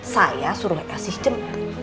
saya suruh esi jemput